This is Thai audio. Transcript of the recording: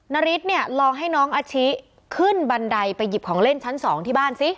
นาริสเนี่ยลองให้น้องอาชิขึ้นบันไดไปหยิบของเล่นชั้น๒ที่บ้านซิ